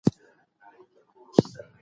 آيا رباني مرحله يوه تخيلي دوره ده؟